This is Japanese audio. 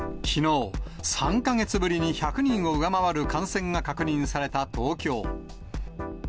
きのう、３か月ぶりに１００人を上回る感染が確認された東京。